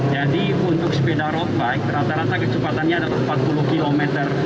jadi untuk sepeda road bike rata rata kecepatannya adalah empat puluh km